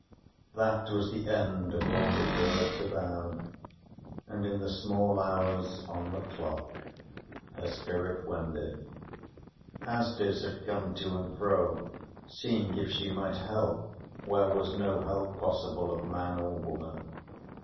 That was the end of all the words of Aud; and in the small hours on the clock her spirit wended. Asdis had come to and fro, seeing if she might help, where was no help possible of man or woman.